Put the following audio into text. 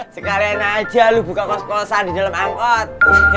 sekalian aja lu buka kos kosan di dalam angkot